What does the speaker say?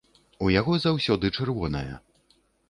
У яго заўсёды чырвоная.